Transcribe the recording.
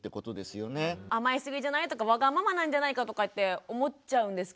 甘えすぎじゃない？とかわがままなんじゃないかとかって思っちゃうんですけど。